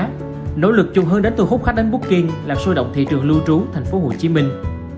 thủ lực chu hướng đến thu hút khách đến bukin làm sôi động thị trường lưu trú thành phố hồ chí minh